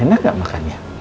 enak gak makan ya